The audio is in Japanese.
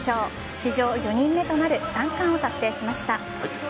史上４人目となる３冠を達成しました。